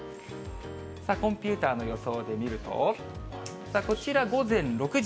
コンピューターの予想で見ると、こちら、午前６時。